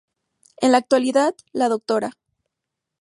En la actualidad, la Dra.